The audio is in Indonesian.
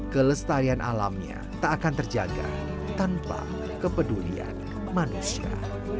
kelestarian alamnya tak akan terjaga tanpa kepedulian manusia